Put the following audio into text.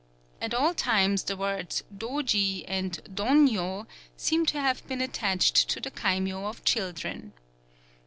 At all times the words Dōji and Dōnyo seem to have been attached to the kaimyō of children.